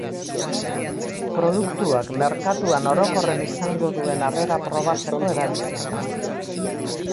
Produktuak merkatuan orokorren izango duen harrera probatzeko erabiltzen da.